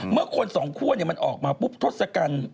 เมื่อคนสองคั่วมันออกมาปุ๊บทศกัณฐ์